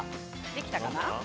できたかな。